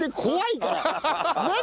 怖いから！